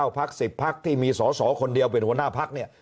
๙พรรค๑๐พรรคที่มีสี่สี่คนเดียวเป็นหัวหน้าพรรคเนี่ย